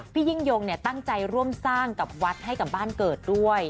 พี่ยิ่งยงตั้งใจร่วมสร้างกับวัดให้กับบ้านเกิดด้วย